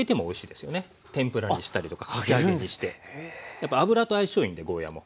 やっぱ油と相性いいんでゴーヤーも。